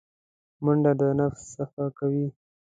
منډه د نفس صفا کوي